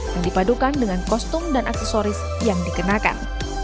yang dipadukan dengan kostum dan aksesoris yang dikenakan